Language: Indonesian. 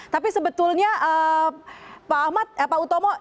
tapi sebetulnya pak utomo